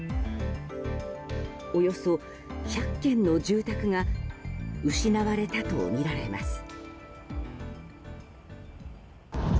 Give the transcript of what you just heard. およそ１００軒の住宅が失われたとみられます。